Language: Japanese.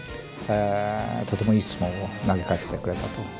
とてもいい質問を投げかけてくれたと思います。